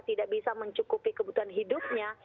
tidak bisa mencukupi kebutuhan hidupnya